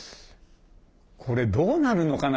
これどうなるのかな？